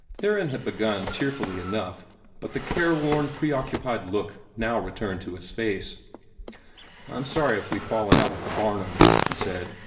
Theron had begun cheerfully enough, but the careworn, preoccupied look returned now to his face. "I'm sorry if we've fallen out with the Barnums," he said.